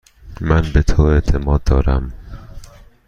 من به تو اعتماد دارم.